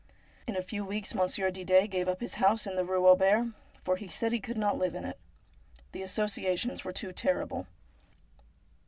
In a few weeks Monsieur Didet gave up his house in the Eue Auber, for he said he could not live in it. The associations were too terrible.